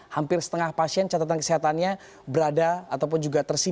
hampir setengah pasien catatan kesehatannya berada ataupun juga tersimpan